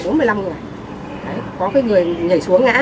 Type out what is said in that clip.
có cái người nhảy xuống ngã